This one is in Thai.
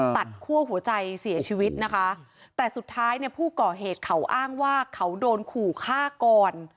คั่วหัวใจเสียชีวิตนะคะแต่สุดท้ายเนี่ยผู้ก่อเหตุเขาอ้างว่าเขาโดนขู่ฆ่าก่อน